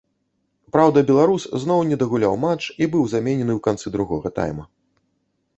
Праўда, беларус зноў не дагуляў матч і быў заменены ў канцы другога тайма.